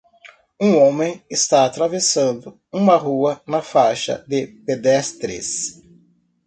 Um homem está atravessando uma rua na faixa de pedestres.